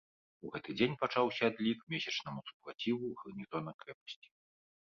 У гэты дзень пачаўся адлік месячнаму супраціву гарнізона крэпасці.